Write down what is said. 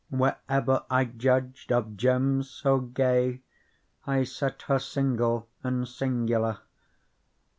Wherever I judged of gems so gay, I set her single and singular.